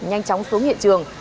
nhanh chóng xuống hiện trường